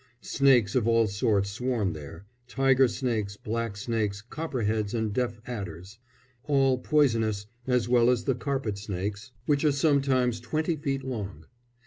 Snakes of all sorts swarm there tiger snakes, black snakes, copperheads and deaf adders, all poisonous, as well as the carpet snakes, which are sometimes twenty feet long.